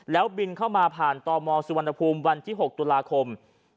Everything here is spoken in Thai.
แล้วบินเข้ามาผ่านตมสุวรรณภูมิวันที่๖ตุลาคม